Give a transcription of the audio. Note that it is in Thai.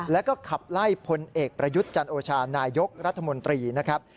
แล้วก็ขับไล่พลเอกประยุทธ์จันโอชานายกรัฐมนตรีนะครับ